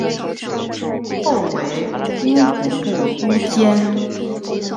后为乌古部都监。